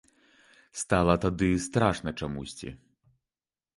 Стала тады страшна чамусьці.